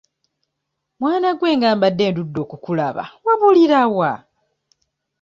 Mwana gwe nga mbadde ndudde okukulaba wabulira wa?